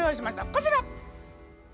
こちら！